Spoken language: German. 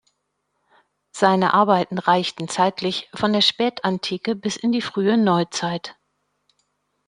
Seine Arbeiten reichten zeitlich von der Spätantike bis in die frühe Neuzeit.